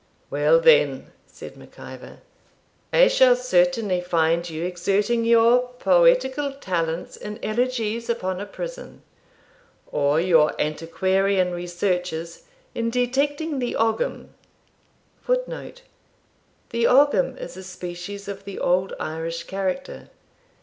'Well then,' said Mac Ivor, 'I shall certainly find you exerting your poetical talents in elegies upon a prison, or your antiquarian researches in detecting the Oggam [Footnote: The Oggam is a species of the old Irish character.